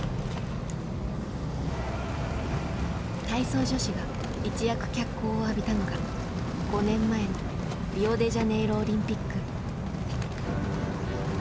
体操女子が一躍脚光を浴びたのが５年前のリオデジャネイロオリンピック。